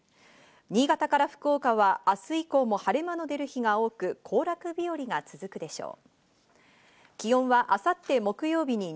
新潟から福岡は明日以降も晴れ間の出る日が多く、行楽日和が続くでしょう。